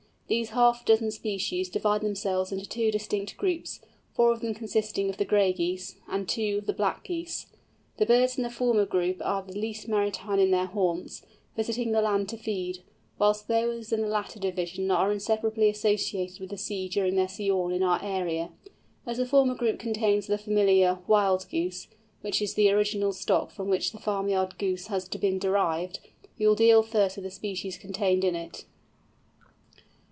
These half dozen species divide themselves into two distinct groups, four of them consisting of the Gray Geese, and two the Black Geese. The birds in the former group are the least maritime in their haunts, visiting the land to feed, whilst those in the latter division are inseparably associated with the sea during their sojourn in our area. As the former group contains the familiar "Wild Goose"—which is the original stock from which the farmyard Goose has been derived—we will deal first with the species contained in it.